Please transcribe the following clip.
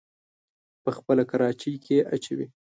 په خپله کراچۍ کې يې اچوي.